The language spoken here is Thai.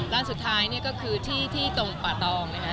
ร่างสุดท้ายก็คือที่ตรงป่าตอง